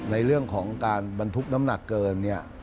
ในเรื่องของการบรรทุกน้ำหนักเกินเนี่ย